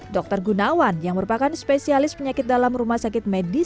dr gunawan yang merupakan spesialis penyakit dalam rumah sakit medis